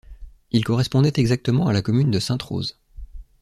Il correspondait exactement à la commune de Sainte-Rose.